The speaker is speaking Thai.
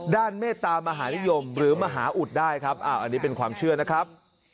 เมตตามหานิยมหรือมหาอุดได้ครับอันนี้เป็นความเชื่อนะครับ